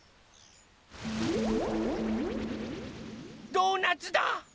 ドーナツだ！